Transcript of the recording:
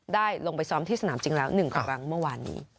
ได้ลงไปซ้อมที่สนามจริงแล้ว๑ครั้งเมื่อวานนี้